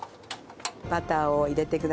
バターを入れてください。